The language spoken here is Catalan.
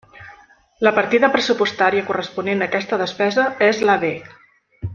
La partida pressupostària corresponent a aquesta despesa és la D.